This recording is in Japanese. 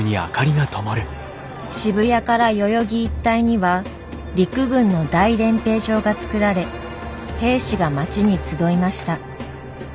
渋谷から代々木一帯には陸軍の大練兵場が造られ兵士が町に集いました。